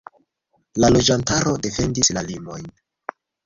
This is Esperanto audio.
La loĝantaro defendis la limojn.